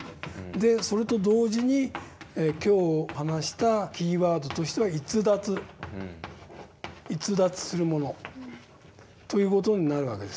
それと同時に今日話したキーワードとしては「逸脱」逸脱するものという事になるわけです。